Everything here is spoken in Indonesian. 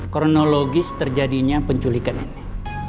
kronologis terjadinya penculikan ini